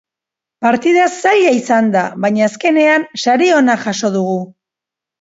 Partida zaila izan da, baina azkenean sari ona jaso dugu.